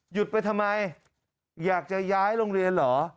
ไปทำไมอยากจะย้ายโรงเรียนเหรอ